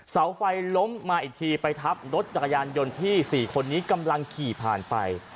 เสาไฟล้มมาอีกทีไปทับรถจักรยานยนต์ที่๔คนนี้กำลังขี่ผ่านไป